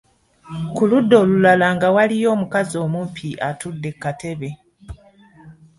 Ku ludda olulala nga waliyo omukazi omumpi atudde ku katebe.